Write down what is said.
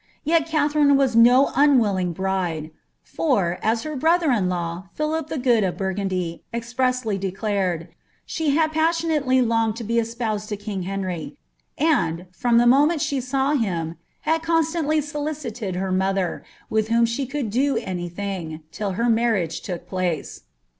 TeC Katherine was no unwilling bride ; for, as her brother in law, Philip the Good of Burgundy, expressly declared, ^ she had passionately longed to be espoused to king Henry; and, from the moment she saw him, had constantly solicited her mother, with whom she could do any thing, till her marriage took place.'"